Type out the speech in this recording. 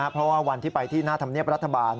เพราะว่าวันที่ไปที่หน้าธรรมเนียบรัฐบาล